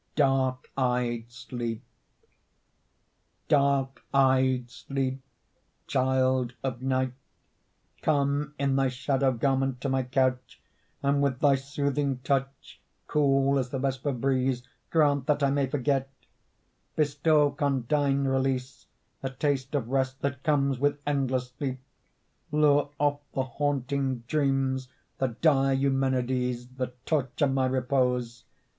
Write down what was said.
DARK EYED SLEEP Dark eyed Sleep, child of Night, Come in thy shadow garment to my couch, And with thy soothing touch, Cool as the vesper breeze, Grant that I may forget; Bestow condign release, A taste of rest that comes with endless sleep; Lure off the haunting dreams, The dire Eumenides That torture my repose.